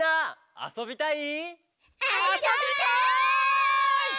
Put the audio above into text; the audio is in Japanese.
あそびたい！